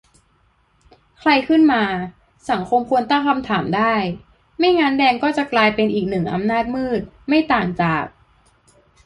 ใครขึ้นมา สังคมควรตั้งคำถามได้ ไม่งั้นแดงก็กลายเป็นอีกหนึ่งอำนาจมืด ไม่ต่างจาก